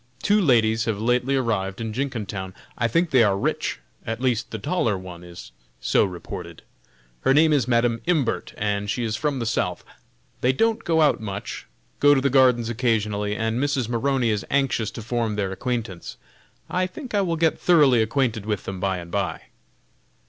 two ladies have lately arrived in Jenkintown; I think they are rich, at least the taller one is so reported. Her name is Madam Imbert, and she is from the South. They don't go out much; go to the gardens occasionally, and Mrs. Maroney is anxious to form their acquaintance; I think I will get thoroughly acquainted with them by and by."